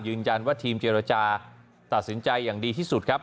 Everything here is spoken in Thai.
ยืนยันว่าทีมเจรจาตัดสินใจอย่างดีที่สุดครับ